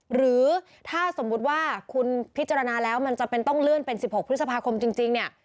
หรือถ้าสมมุติว่าคุณพิจารณาแล้วมันจำเป็นต้องเลื่อนเป็น๑๖พฤษภาคมจริงเนี่ย